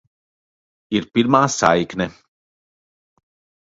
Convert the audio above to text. Ir pirmā saikne.